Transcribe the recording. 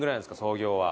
創業は。